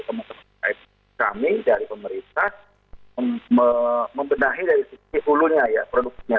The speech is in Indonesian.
teman teman kami dari pemerintah membenahi dari sisi hulunya ya produknya